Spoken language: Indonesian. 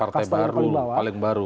partai baru paling baru